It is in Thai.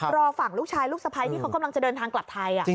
รอฝั่งลูกชายลูกสะพ้ายที่เขากำลังจะเดินทางกลับไทย